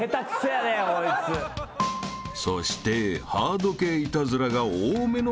［そして］